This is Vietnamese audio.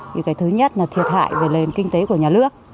thì cái thứ nhất là thiệt hại về lên kinh tế của nhà lước